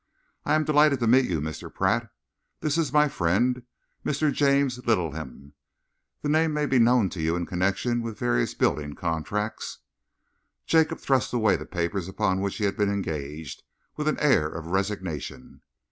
"I am delighted to meet you, Mr. Pratt. This is my friend, Mr. James Littleham. The name may be known to you in connection with various building contracts." Jacob thrust away the papers upon which he had been engaged, with an air of resignation.